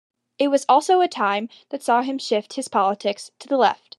It was also a time that saw him shift his politics to the left.